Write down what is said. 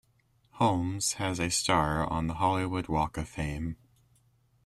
Holmes has a star on the Hollywood Walk of Fame.